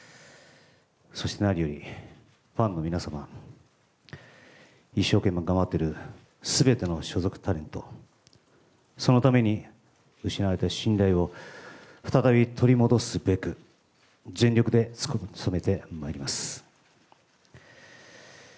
そして何より、ファンの皆様、一生懸命頑張っているすべての所属タレント、そのために失われた信頼を再び取り戻すべく、全力で努めてまいります。